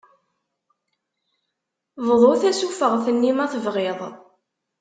Bḍu tasufeɣt-nni ma tebɣiḍ.